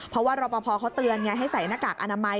เพราะว่ารอปภเขาเตือนไงให้ใส่หน้ากากอนามัย